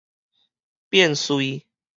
變遂